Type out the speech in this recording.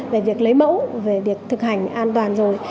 về việc lấy mẫu về việc thực hành an toàn rồi